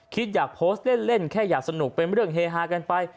คิดอยากโพสต์เล่นแค่อยากสนุกเป็นเรื่องเฮฮากันไป